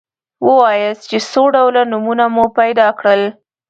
ووایاست چې څو ډوله نومونه مو پیدا کړل.